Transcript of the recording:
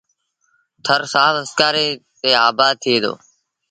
ٿر سرڦ وسڪآري تي آبآد ٿئي دو۔